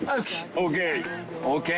ＯＫ！